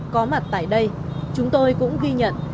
có mặt tại đây chúng tôi cũng ghi nhận